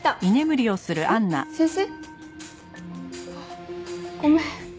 先生？あっごめん。